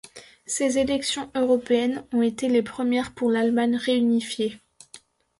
Ces élections européennes ont été les premières pour l'Allemagne réunifiée.